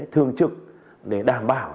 thường trực để đảm bảo